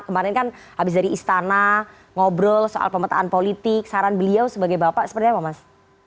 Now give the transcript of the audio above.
kemarin kan habis dari istana ngobrol soal pemetaan politik saran beliau sebagai bapak seperti apa mas